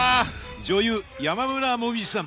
女優山村紅葉さん。